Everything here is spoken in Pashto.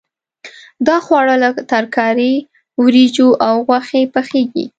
دا خواړه له ترکارۍ، وریجو او غوښې پخېږي.